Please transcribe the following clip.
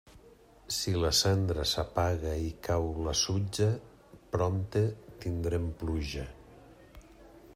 Si la cendra s'apaga i cau la sutja, prompte tindrem pluja.